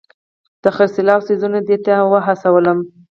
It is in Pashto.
د خرڅلاو څیزونه دې ته هڅولم.